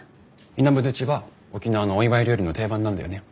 イナムドゥチは沖縄のお祝い料理の定番なんだよね。